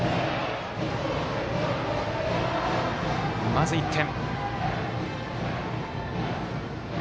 まず１点。